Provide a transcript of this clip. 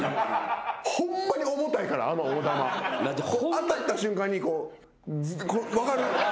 当たった瞬間に分かる？